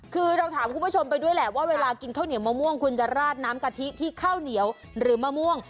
คือเราถามคุณผู้ชมไปด้วยแหละว่าเวลากินข้าวเหนียวมะม่วงคุณจะราดน้ำกะทิที่ข้าวเหนียวหรือมะม่วง